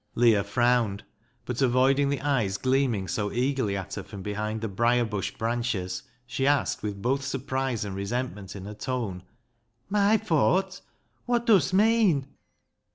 Leah frowned, but avoiding the eyes gleam ing so eagerly at her from behind the briar bush branches, she asked, with both surprise and resentment in her tone —" My fawt ? Wot dust meean